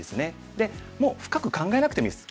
でもう深く考えなくてもいいです。